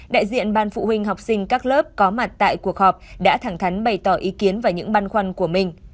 đại diện ban phụ huynh học sinh các lớp có mặt tại cuộc họp đã thẳng thắn bày tỏ ý kiến và những băn khoăn của mình